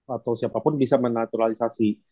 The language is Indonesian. atau siapapun bisa menaturalisasi